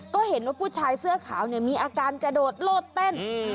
ก็เห็นว่าผู้ชายเสื้อขาวเนี่ยมีอาการกระโดดโลดเต้น